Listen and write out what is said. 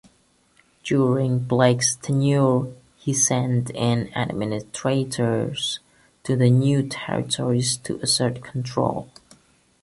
During Blake's tenure, he sent in administrators to the New Territories to assert control.